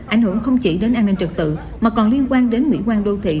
ảnh hưởng không chỉ đến an ninh trực tự mà còn liên quan đến mỹ quan đô thị